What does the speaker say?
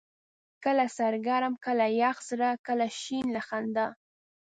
کله سر ګرم ، کله يخ زړه، کله شين له خندا